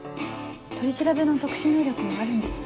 取り調べの特殊能力もあるんですし。